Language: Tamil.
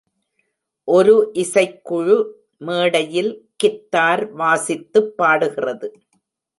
ஒரு இசைக்குழு மேடையில் கித்தார் வாசித்துப் பாடுகிறது.